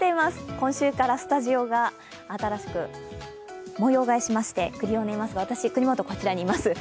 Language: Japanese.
今週からスタジオが新しくもよう替えしまして、クリオネいますが、私、國本、こちらにいます。